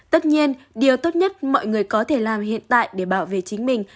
tất nhiên điều tốt nhất mọi người có thể làm hiện tại để bảo vệ chính mình